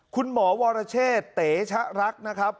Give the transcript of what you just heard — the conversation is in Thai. คุณหมอวรเชษเต๋ชะรักนะครับ